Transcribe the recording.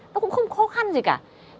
nó cũng không khó khăn gì cả